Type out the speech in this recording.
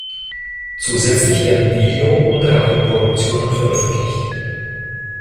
Zusätzlich werden Video- und Radioproduktionen veröffentlicht.